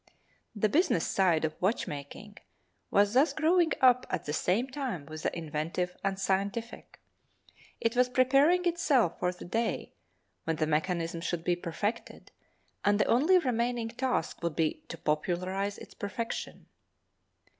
The business side of watchmaking was thus growing up at the same time with the inventive and scientific; it was preparing itself for the day when the mechanism should be perfected, and the only remaining task would be to popularize its perfection.